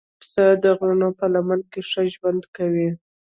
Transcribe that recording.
پسه د غرونو په لمنو کې ښه ژوند کوي.